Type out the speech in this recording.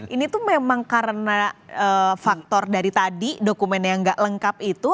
ini tuh memang karena faktor dari tadi dokumen yang nggak lengkap itu